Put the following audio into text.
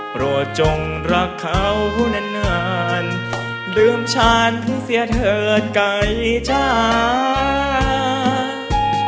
โปรดจงรักเขาเนินลืมฉันเพิ่งเสียเถิดใกล้จ้าง